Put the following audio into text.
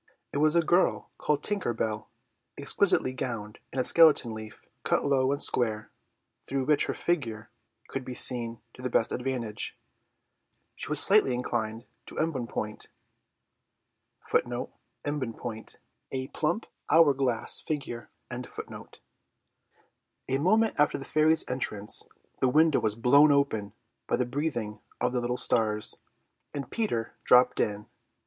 It was a girl called Tinker Bell exquisitely gowned in a skeleton leaf, cut low and square, through which her figure could be seen to the best advantage. She was slightly inclined to embonpoint. A moment after the fairy's entrance the window was blown open by the breathing of the little stars, and Peter dropped in.